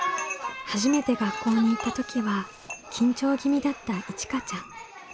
初めて学校に行った時は緊張気味だったいちかちゃん。